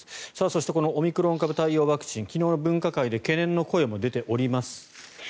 そしてオミクロン株対応ワクチン昨日の分科会で懸念の声も出ています。